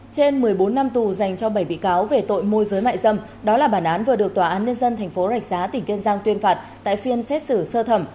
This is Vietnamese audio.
trên một mươi bốn năm tù dành cho bảy bị cáo về tội môi giới mại dâm đó là bản án vừa được tòa án nhân dân thành phố rạch giá tỉnh kiên giang tuyên phạt tại phiên xét xử sơ thẩm